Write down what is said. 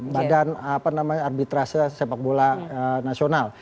badan arbitrase sepak bola nasional